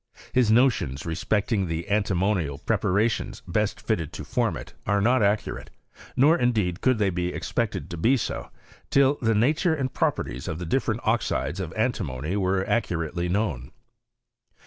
His notions respecting the antimonial prep^ xations best fitted to form it, are not accurate : nor, indeed, could they be expected to be so, till the na ture and properties of the different oxides of antt mony were accurately known.